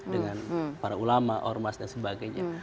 dengan para ulama ormas dan sebagainya